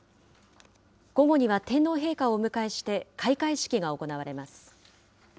午後には天皇陛下をお迎えして、開会式が行われます。